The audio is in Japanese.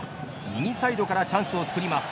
右サイドからチャンスを作ります。